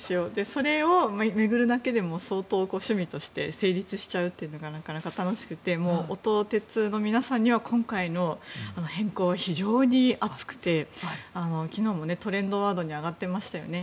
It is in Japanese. それを巡るだけでも相当、趣味として成立しちゃうというのがなかなか楽しくて音鉄の皆さんには今回の変更は非常に熱くて昨日もトレンドワードに上がっていましたよね。